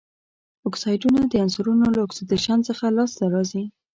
اکسایډونه د عنصرونو له اکسیدیشن څخه لاسته راځي.